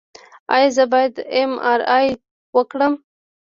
ایا زه باید ایم آر آی وکړم؟